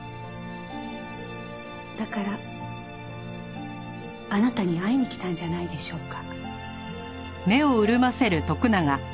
だからあなたに会いに来たんじゃないでしょうか。